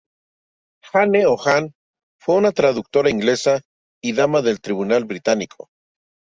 Anne o Ann fue una traductora inglesa y dama del tribunal británico.